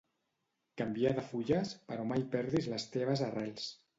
Canvia de fulles, però mai perdis les teves arrels.